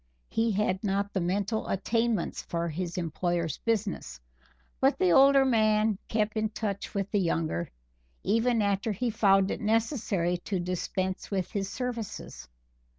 He had not the mental attainments for his employer's business, but the older man kept in touch with the younger, even after he found it necessary to dispense with his services.